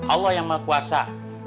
allah yang mengkuasa